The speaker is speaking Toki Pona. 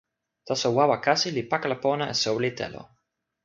taso wawa kasi li pakala pona e soweli telo.